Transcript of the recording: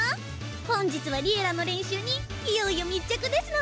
本日は「Ｌｉｅｌｌａ！」の練習にいよいよ密着ですの。